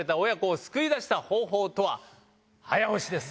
早押しです。